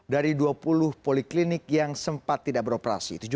dari dua puluh poliklinik yang sempat tidak beroperasi